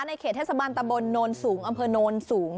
ในเขตเทศบรรย์ตะบลนนท์สูงอำเภอนนท์สูง